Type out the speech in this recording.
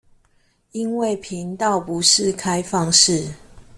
因為頻道不是開放式